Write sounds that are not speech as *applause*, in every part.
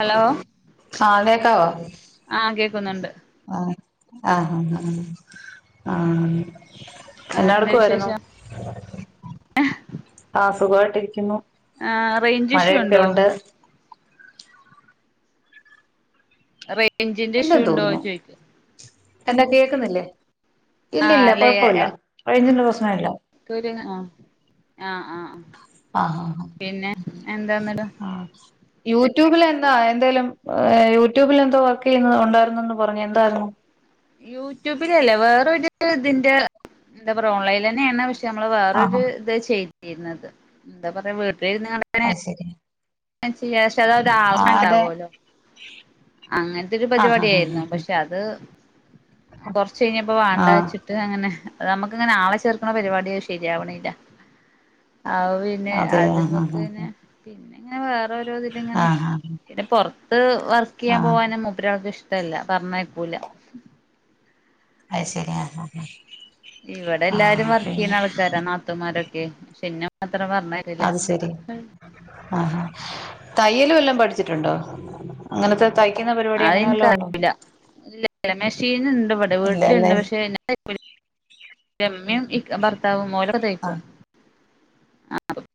Hello ആ കേക്കാവോ ന്നുണ്ട് അ ആഹ് ആ ആ ആഹ് ആഹ് എന്താ എന്നാടുക്കുവാര്ന്നു വിശേഷം ആസ് സുഖവായ്ട്ടിരിക്കുന്നു. ആഹ് റേഞ്ചിഷ്യൂണ്ടോ റേഞ് റേഞ്ചിന്റെ ഇഷൂ ഉണ്ടോയെന്ന് ചോദിക്കു എന്താ കേക്കുന്നില്ലേ ആഹ് ഇല്ലില്ല അല്ലെ കുഴപ്പല്ല കഴിഞ്ഞ ദിവസം ആ അല്ല ആ ആ ആ ആഹ് ആഹ് ആഹ് പിന്നെ എന്താന്നിട ആഹ് യൂട്യൂബിൽ എന്താ എന്തേലും യൂട്യൂബിൽ എന്തോ വർക്ക് ചെയ്യുന്നു ഉണ്ടായിരുന്നുന്ന് പറഞ്ഞു എന്തായിരുന്നു യൂട്യൂബിലല്ല വേറെരു ഇതിന്റെ എന്താ പറയാ ഓൺലൈനിൽ തന്നെയാണ് പക്ഷേ നമ്മള് ആഹാ വേറൊരു ഇത് ചെയ് ചെയുന്നത് എന്താ പറയാ വീട് *inaudible* നിങ്ങളിങ്ങനെ അത് ശരി ചെയ്യാം പക്ഷെ ആഹ് അതെ അതൊരു *unintelligible* അങ്ങനത്തൊരു ആഹ് ആഹ് പരിപാടിയായിരുന്നു പക്ഷെ അത് കൊറച്ചു കയിഞ്ഞപ്പോ ആഹ് വേണ്ടാന്ന് ആഹ് വച്ചിട്ട് അങ്ങനെ അ നമുക്കിങ്ങനെ ആളെ ചേർക്കണ പരിപാടി ശരിയാവണില്ല ആ പിന്നെ അതെ അത് ആഹ് നമ്മുക്ക് ആഹ് തന്നെ പിന്നെ ന്നെ വേ *unintelligible* ഇങ്ങനെ ആഹ് ആഹ് പിന്നെ പുറത്ത് വർ ക്ക്യ ആഹ് പോകാനും മൂപ്പര് ഇഷ്ടല്ല പറഞ്ഞായിക്കൂല അത് ശരി ആഹ ആ ഇവിടെ എല്ലാരും വർക്കെയ്യുന്ന ആൾക്കാരാ നാത്തൂമാരൊക്കെ ക്കെ *unintelligible* അത് ശരി ആഹ തയ്യൽ വല്ലോം പഠിച്ചിട്ടുണ്ടോ അങ്ങനത്തെ തയ്ക്കുന്ന പരിപാടി അങ്ങനെ വല്ലോം ഉണ്ടോ അതെനിക്കറിയൂലാ *unintelligible* മെഷീൻ ഉണ്ട് ഇവിടെ ഇല്ലല്ലേ വീട്ടിലുണ്ട് പക്ഷെ *inaudible* ഉമ്മേം ഭർത്താവും ഒലക്ക തയ്ക്കും ആഹ്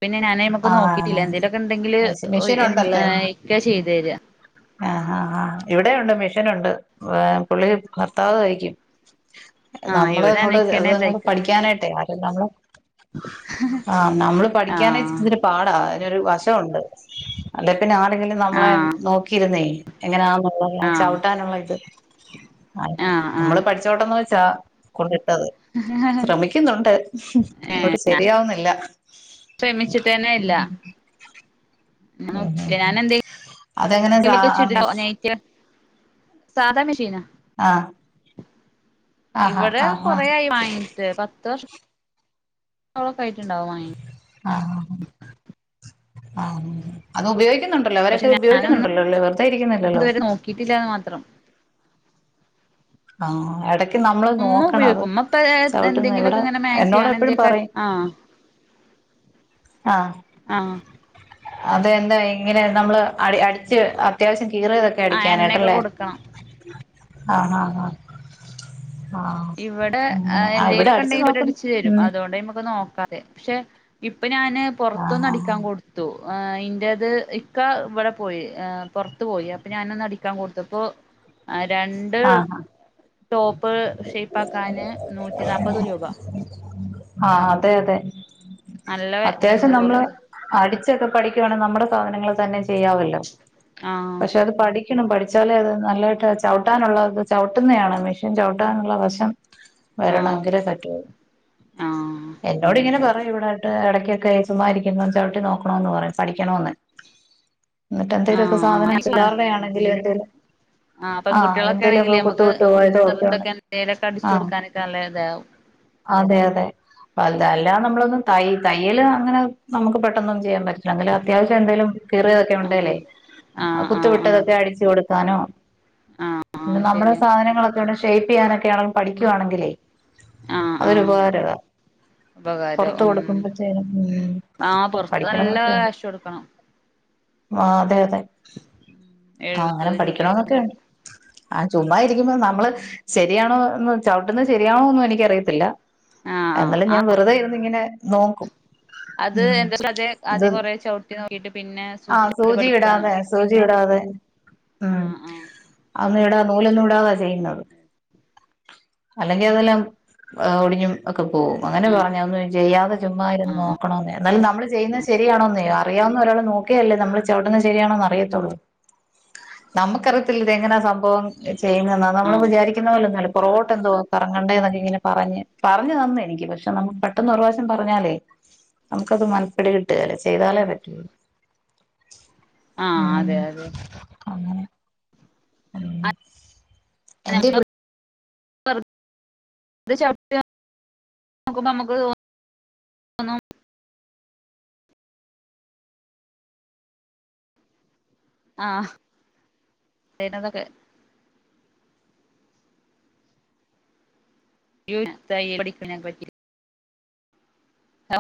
പിന്നെ ഞാനെ നമക്ക് ആഹ് നോക്കിട്ടില്ല എന്തേലൊക്കെ ഉണ്ടെങ്കില് അത് ശരി മെഷീനുണ്ടല്ലേ ഇക്ക ചെയ്തു തരിക ഇവിടേം ഉണ്ട് മെഷീൻ ഉണ്ട് പുള്ളി നിർത്താതെ തയ്ക്കും ആഹ് നമ്മള് ഇവിടെ ഞാൻ ഇങ്ങോട്ട് അത് ഇക്കന്നെ ഇങ്ങോട്ട് തയ്ക്ക പഠിക്കാനായിട്ടെ ആരും നമ്മള് ആഹ് നമ്മള് പഠിക്കാനെ ഇ ആഹ് ച്ചിരി പാടാ പിന്നെ ഒരു വശം ഉണ്ട് പിന്ന ആള്കള് നമ്മളെ ആഹ് നോക്കിയിരുന്നേ എങ്ങനാ അല്ലല്ല ആഹ് ചവിട്ടാനുള്ള ഇത് അതെ നമ്മള് ആഹ് പഠിച്ചോട്ടന്ന് വെ ച കൊട് അത് ആഹ് ശ്രമിക്കുന്നുണ്ട് അങ്ങോട്ട് ഏഹ് ശരിയാവുന്നില്ല തെനയില്ല ഉം ഉം ഉം അതെങ്ങനെ സ എന്തെങ്കിലുമൊക്കെ അ ചുരിദാ മിഷ് നൈറ്റ് സാധാ മിഷീനാ ആഹാ ഇവടെ ആഹ് ആഹ് കൊറെയായി വാങ്ങിട്ട് പത്ത് വർഷം ഓ ആയിട്ടുണ്ടാവും വാങ്ങി ആഹ് ആഹ് ആഹ് അത് ഉപയോഗിക്ക ക്കുന്നുണ്ടല്ലോ പക്ഷെ അവരൊക്കെ ഞാനൊന്നും ഉപയോഗിക്കുന്നുണ്ടല്ലോല്ലേ വെറുതെ ഇരിക്കുന്നില്ലല്ലോ ഇതുവരെ നോക്കിയിട്ടില്ലാന്ന് മാത്രം ആഹ് എടക്ക് നമ്മള് ഉമ്മ നോക്കണം അത് ഉപയോക്കും ഉമ്മ ഇപ്പാ ഏഹ് ചവിട്ടുന്ന എന്തെങ്കിലുക്കെ ഇവിടെ ഇങ്ങനെ മാക്സിയോ എന്നോട് അങ്ങനെ എപ്പഴും ന്തെക്കാ പറയും ആഹ് ആഹ് ആഹ് അതെ ആഹ് എന്തായി ഇങ്ങനെ നമ്മള് അടി അടിച്ച് അത്യാവശ്യം കീറിയതൊക്കെ എണ്ണയൊക്കെ അടിക്കാനായിട്ട്ല്ലേ കൊടുക്കണം ആഹ് ആഹ് ആഹ് ആഹ് ഇവടെ അങ്ങനെ ഈഹ് ആ ഇവിടെ എന്തെലെക്കെ ഉണ്ടെങ്കിൽ ഒര് നോക്കുന്നു അടിച്ചു തരും ഉം അതൊണ്ടയ്മക്ക് നോക്കാ ത്തെ പക്ഷെ ഇപ് പ്പ ഞാന് പോറത്തുന്ന് ആഹ് അടിക്കാം കൊടുത്തു ഹോ ന്റേത് ഇക്കവടെ പോയി ഹ് പോർത്ത് പോയി അപ്പൊ ഞാനൊന്ന് അടിക്കാൻ കൊടുത്തപ്പോ ആ രണ്ട് ആഹ് ആഹ് ട്ടോപ്പ് ഇപ്പക്കാന് നൂറ്റി നാപത് രൂപ ആഅതെ അതെ നല്ല അത്യാവശ്യം ഇതുണ്ട് നമ്മള് പുറത്ത് അടിച്ച് ച്ചക്ക പഠിക്കുവണെ നമ്മടെ സാധനങ്ങൾ തന്നെ യ്യാവല്ലോ ആഹ് പക്ഷെ അത് പഠി ഠിക്കണം പഠിച്ചാലേ അത് നല്ല ആയിട്ട് ചവ് ട്ടാനുള്ളതൊക്ക ചവിട്ടുന്നെയാണ് മെഷീൻ ചവിട്ടാനുള്ള വശം ആഹ് വരണൊങ്കിലേ പറ്റൂ ആഹ് എന്നോട് അതെ ഇങ്ങനെ പറയും ഇവിടെ അടു എടക്കൊക്കെ ചുമ്മാതിരിക്കുമ്പോ ചവിട്ടി നോക്കണോന്നു പറയും പഠിക്കണോന്ന്. എന്നിട്ടെന്തേലൊക്കെ സാധനം ആഹ് ആഹ് പിള്ളാരുടെ ആണെങ്കിലും എന്തേലും. ആഹ് പെൺകുട്ടികളൊക്കെ എന്തേലു ഒക്കെ ആണെങ്കില് കുത്ത് നമുക്ക് വിട്ട് പോയത് ഒക്കെ ചെറുതൊക്കെ എന്തേലൊക്കെ അടിച്ചു ആഹ് കൊടുക്കാനൊക്കെ നല്ല ഇതാവും അതെ അതെ *unintelligible* അല്ലാതെ ഉം നമ്മളൊന്നും തൈ തയ്യല് അങ്ങനെ നമുക്ക് പെട്ടന്നൊന്നും ചെയ്യാൻ പറ്റില്ല. എന്തെങ്കിലും അത്യാവശ്യം എന്തേലും കീറിയതൊക്കെ ആഹ് ഒണ്ടേലെ ആഹ് കുത്തു ആഹ് ആഹ് വിട്ടതൊക്കെ അടിച്ചു കൊടു താനോ. ആഹ് പിന്നെ ആഹ് നമ്മുടെ ശരിയാ സാധനങ്ങളൊക്കെ ഇവിടെ ഷി ഷെയിപ്പ് ചെയ്യാനൊക്കെയാണങ്കിലും പഠിക്കുവാണെങ്കിലെ ആഹ് അതൊരു ആഹ് ഉപകാരവാ ഉപകാരം പൊറത്ത് ഉം കൊടുക്കുമ്പോഴത്തേനും ഉം ആഹ് പൊറത്ത് പഠിക്കണം നല്ല എന്നൊക്കെയുണ്ട്. കാശ് കൊടുക്കണം ആഹ് അതെ അതെ. ആഹ് അങ്ങനെ എഴുപത് പഠിക്കണോ രൂപയൊക്കെണ്ട് ന്നൊക്കെയുണ്ട് ആഹ് ചുമ്മാ ഇരിക്കുമ്പോ നമ്മള് ശരിയാണോന്ന് ചവിട്ടന്ന ശരിയാണോന്നും എനിക്കറിയത്തില്ല. ആഹ് ആഹ് എന്നാലും ഞാൻ ആഹ് വെറുതെ ഇരുന്നിങ്ങനെ നോക്കും അത് ഉം എന്താ അത് ഇത് ആദ്യം കൊറേ ചവിട്ടി നോക്കിട്ട് പിന്നെ ആഹ് സൂചിട്ടിട്ട് സൂചി പഠിക്കാ ഇടാതെ സൂചി ഇടാതെ ഉം. ആഹ് ആഹ് ട നൂലൊന്നും ഇടാതാ ചെയ്യുന്നത് അല്ലെങ്കി അതെല്ലാം ഒടിഞ്ഞും ഒക്കെ പോവും അങ്ങനെ പറഞ്ഞ് അത് ഒന്നും ചെയ്യാതെ ചുമ്മാ ഇരുന്ന് ആഹ് ആഹ് നോക്കണോന്നെ എന്നാലും നമ്മൾ ചെയ്യുന്നത് ശരിയാണോന്ന് അറിയാവുന്ന ഒരാൾ നോക്കിയല്ലേ നമ്മൾ ച വിട്ടുന്നത് ശരിയാണോന്ന് അറിയത്തൊള്ളൂ നമക്കറിയത്തില്ല ഇത് എങ്ങനാ അപ്പോ ചെയ്യുന്നന്നാ നമ്മൾ ആഹ് വിചാരിക്കുന്ന പോലൊന്നു അല്ല പൊറകൊ എന്തുവാ കറങ്ങണ്ടേ എന്നൊക്കെ ഇങ്ങനെ പറഞ്ഞ് പറഞ്ഞു തന്നു എനിക്ക് പക്ഷെ നമ്മക്ക് പെട്ടെന്ന് ഒരു പ്രാവശ്യം പറഞ്ഞാലേ നമുക്കത് മന പിടി കിട്ടുകേല ചെയ്താലേ പറ്റൂ ആഹ് അതെ അതെ അങ്ങനെ ഉം എന്തേ ഞങ്ങ *unintelligible* ഇത് ചവിട്ടിയ നോക്കുമ്പ നമുക്ക് തോന്നും തോന്നും ആ ചെയ്യ് ണതൊക്കെ *unintelligible* തയ്യൽ പഠിക്കക്കാൻ പറ്റി ആ